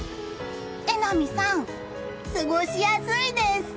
榎並さん、過ごしやすいです！